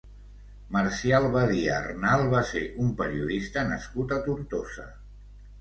Marcial Badia Arnal va ser un periodista nascut a Tortosa.